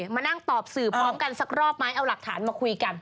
มานั่งตอบสื่อพร้อมกันสักรอบไหมเอาหลักฐานมาคุยกัน